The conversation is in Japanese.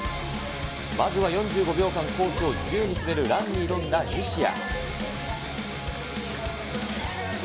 まずは４５秒間コースを自由に滑るランに挑んだ西矢。